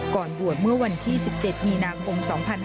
ก่อนบวชเมื่อวันที่๑๗มีนาคม๒๕๕๙